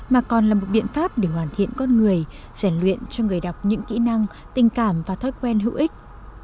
mà còn là một biện pháp để hoàn thiện con người giải luyện cho người đọc những kỹ năng tình cảm và thói quen hữu ích